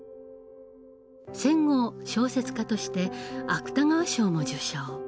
戦後小説家として芥川賞も受賞。